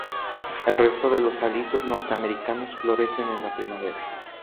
El resto de alisos norteamericanos florecen en la primavera.